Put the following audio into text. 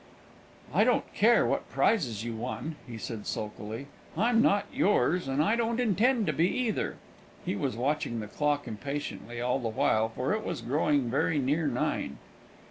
"I don't care what prizes you won," he said, sulkily; "I'm not yours, and I don't intend to be, either." He was watching the clock impatiently all the while, for it was growing very near nine.